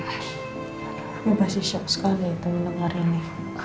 aku masih shock sekali tuh hari ini